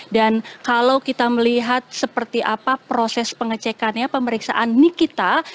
dan kalau kita melihat seperti apa proses pengecekannya pemeriksaan nik kita